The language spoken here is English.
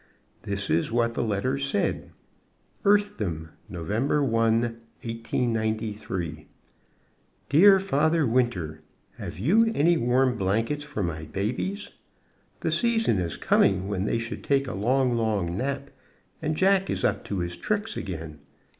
This is what the letter said: Earthdom, November 1, 1893. Dear Father Winter: Have you any warm blankets for my babies? The season is coming when they should take a long, long nap, and Jack is up to his tricks again.